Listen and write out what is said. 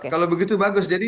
kalau begitu bagus